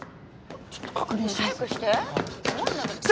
ちょっと確認してみます。